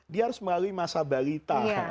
dia harus melalui masa balita